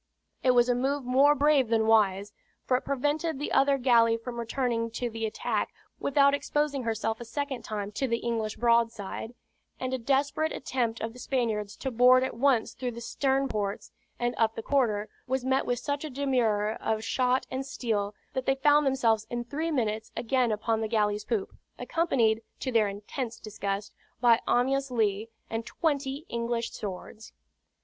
It was a move more brave than wise; for it prevented the other galley from returning to the attack without exposing herself a second time to the English broadside; and a desperate attempt of the Spaniards to board at once through the stern ports, and up the quarter, was met with such a demurrer of shot and steel that they found themselves in three minutes again upon the galley's poop, accompanied, to their intense disgust, by Amyas Leigh and twenty English swords.